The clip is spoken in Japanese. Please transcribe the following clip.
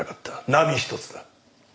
何一つだ。